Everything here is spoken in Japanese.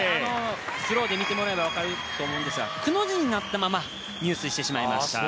スローで見てもらえば分かると思うんですがくの字になったまま入水してしまいました。